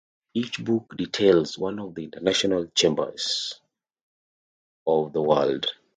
Each book details one of the international Chambers of the world.